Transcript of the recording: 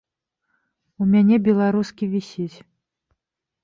У мяне беларускі вісіць.